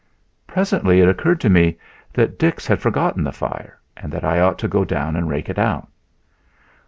Presently it occurred to me that Dix had forgotten the fire and that I ought to go down and rake it out.